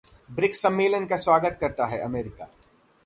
BRICS सम्मेलन का स्वागत करता है अमेरिका